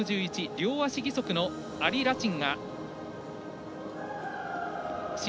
両足義足のアリ・ラチン。